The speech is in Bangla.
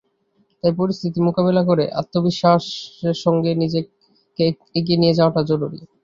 তাই পরিস্থিতি মোকাবিলা করে আত্মবিশ্বাসের সঙ্গে নিজেকে এগিয়ে নিয়ে যাওয়াটা জরুরি।